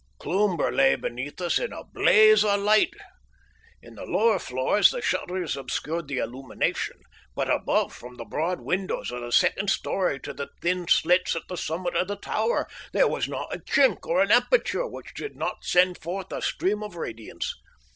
Cloomber lay beneath us in a blaze of light. In the lower floors the shutters obscured the illumination, but above, from the broad windows of the second storey to the thin slits at the summit of the tower, there was not a chink or an aperture which did not send forth a stream of radiance.